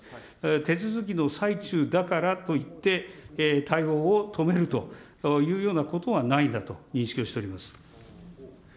手続きの最中だからといって、対応を止めるというようなことはないんだと認識をしております。